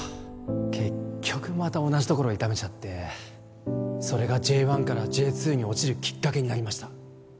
結局また同じところ痛めちゃってそれがＪ１からＪ２に落ちるきっかけになりました